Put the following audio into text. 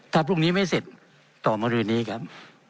ถ้าพรุ่งนี้ไม่เสร็จต่อมารือนี้ครับ